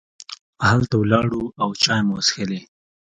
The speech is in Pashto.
هلته ولاړو او چای مو وڅښلې.